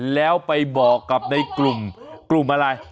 แล้วไปบอกกับในกลุ่มกลุ่มอะไร